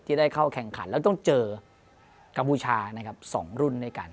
ที่ได้เข้าแข่งขันแล้วต้องเจอกับผู้ชาว๒รุ่นด้วยกัน